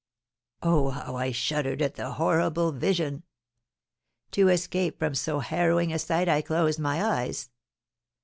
Oh, how I shuddered at the horrible vision! To escape from so harrowing a sight I closed my eyes.